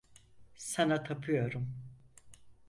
Sana tapıyorum.